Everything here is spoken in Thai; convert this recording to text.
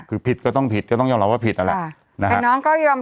คือผิดก็ต้องผิดก็ต้องยอมรับว่าผิดนั่นแหละแต่น้องก็ยอม